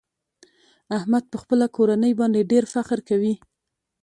احمد په خپله کورنۍ باندې ډېر فخر کوي.